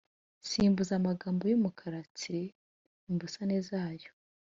simbuza amagambo yumukara tsiri imbusane zayo.